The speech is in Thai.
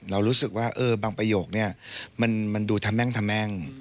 เรารู้สึกว่าบางประโยคนี่มันดูทำแม่ง